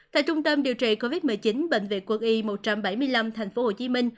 tại trung tâm điều trị covid một mươi chín bệnh viện quân y một trăm bảy mươi năm tp hcm